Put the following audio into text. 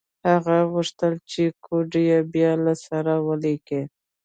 هغه غوښتل چې کوډ یې بیا له سره ولیکي